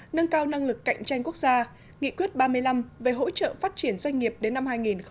nâng cao năng lực cạnh tranh quốc gia nghị quyết ba mươi năm về hỗ trợ phát triển doanh nghiệp đến năm hai nghìn ba mươi